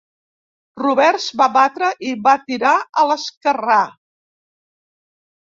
Roberts va batre i va tirar a l'esquerrà.